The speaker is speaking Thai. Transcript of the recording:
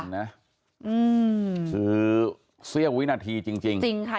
คือเสี้ยววินาทีจริงจริงค่ะ